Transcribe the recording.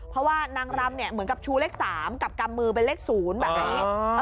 เพราะว่านางรำเนี้ยเหมือนกับชูเลขสามกับกำมือเป็นเลขศูนย์แบบนี้อ๋อ